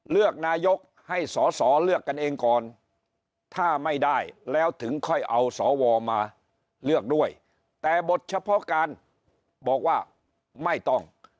เลือกนายกให้สอสอเลือกกันเองก่อนถ้าไม่ได้แล้วถึงค่อยเอาสวมาเลือกด้วยแต่บทเฉพาะการบอกว่าไม่ต้อง